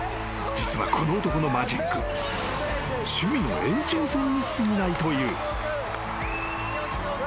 ［実はこの男のマジック趣味の延長線にすぎないという］